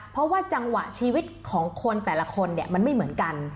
เพราะว่าจังหวะชีวิตของคนแต่ละคนเนี่ยมันไม่เหมือนกัน